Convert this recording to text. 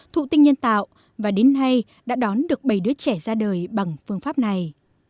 thụ tinh nhân tạo và đến nay đã đón được bảy đứa trẻ ra đời bằng phương pháp này